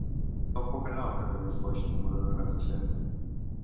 Com puc anar al carrer de Foix número noranta-set?